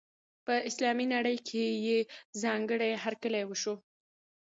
په اسلامي نړۍ کې یې ځانګړی هرکلی وشو.